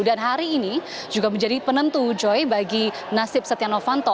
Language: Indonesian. dan hari ini juga menjadi penentu joy bagi nasib setia novanto